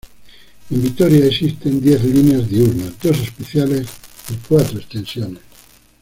En Vitoria existen diez líneas diurnas, dos especiales y cuatro extensiones.